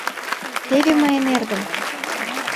— Теве мыйын эргым!